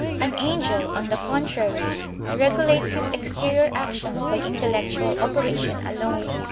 An angel, on the contrary, regulates his exterior actions by intellectual operation alone.